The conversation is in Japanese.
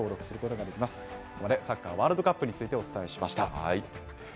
ここまでサッカーワールドカップについてお伝えしました。